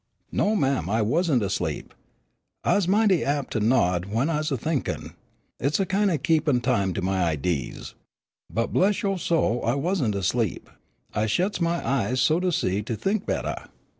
"No, ma'am, I wasn't 'sleep. I's mighty apt to nod w'en I's a thinkin'. It's a kin' o' keepin' time to my idees. But bless yo' soul I wasn't 'sleep. I shets my eyes so's to see to think bettah.